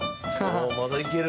まだいけるんや。